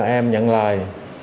em nhận lời